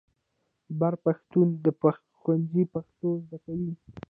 بر پښتون د ښوونځي پښتو زده کوي.